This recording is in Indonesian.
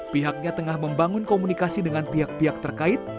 pihaknya tengah membangun komunikasi dengan pihak pihak terkait